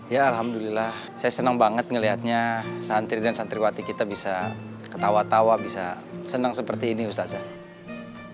ya alhamdulillah saya senang banget ngelihatnya santri dan santriwati kita bisa ketawa tawa bisa senang seperti ini ustadz ya